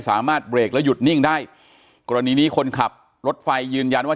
สามารถเบรกแล้วหยุดนิ่งได้กรณีนี้คนขับรถไฟยืนยันว่า